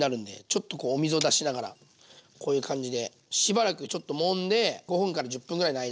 ちょっとこうお水を出しながらこういう感じでしばらくちょっともんで５分１０分ぐらいの間おいときます。